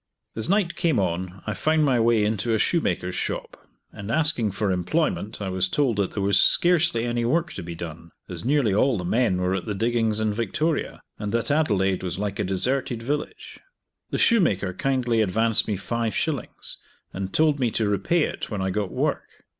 As night came on I found my way into a shoemaker's shop, and asking for employment I was told that there was scarcely any work to be done, as nearly all the men were at the diggings in Victoria, and that Adelaide was like a deserted village. The shoemaker kindly advanced me five shillings, and told me to repay it when I got work.